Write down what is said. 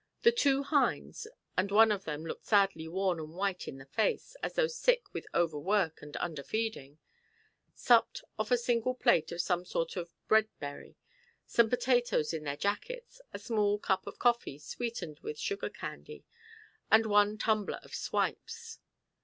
The two hinds (and one of them looked sadly worn and white in the face, as though sick with over work and under feeding) supped off a single plate of some sort of bread berry, some potatoes in their jackets, a small cup of coffee sweetened with sugar candy, and one tumbler of swipes.